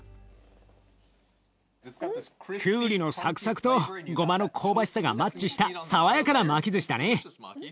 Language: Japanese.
きゅうりのサクサクとごまのこうばしさがマッチした爽やかな巻きずしだね。